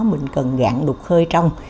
mình cần gạn đục khơi trong